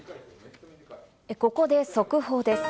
ここで速報です。